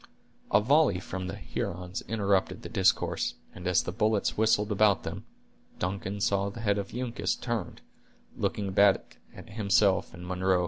A volley from the Hurons interrupted the discourse, and as the bullets whistled about them, Duncan saw the head of Uncas turned, looking back at himself and Munro.